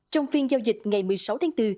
trong phiên giao dịch ngày một mươi sáu tháng bốn